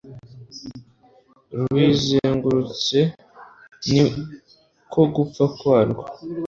ruyizengurutse ni ko gupfa kwarwo